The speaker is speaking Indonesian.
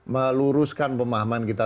meluruskan pemahaman kita